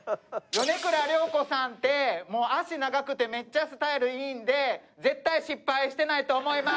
米倉涼子さんって足長くてめっちゃスタイルいいんで絶対失敗してないと思います。